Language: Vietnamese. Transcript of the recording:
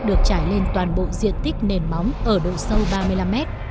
được trải lên toàn bộ diện tích nền móng ở độ sâu ba mươi năm mét